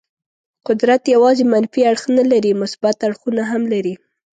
قدرت یوازې منفي اړخ نه لري، مثبت اړخونه هم لري.